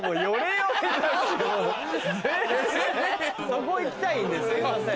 そこ行きたいんですいません。